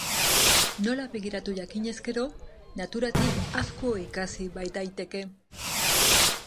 Nola begiratu jakinez gero naturatik asko ikasi baitaiteke.